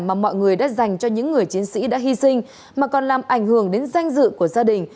mà mọi người đã dành cho những người chiến sĩ đã hy sinh mà còn làm ảnh hưởng đến danh dự của gia đình